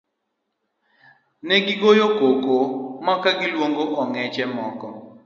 Negi goyo koko mar luongo ong'eche moko.